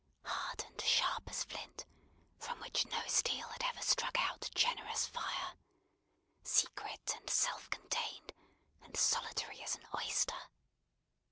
Hard and sharp as flint, from which no steel had ever struck out generous fire; secret, and self contained, and solitary as an oyster.